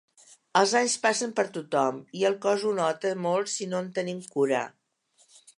Els anys passen per tothom i el cos ho nota molt si no en tenim cura.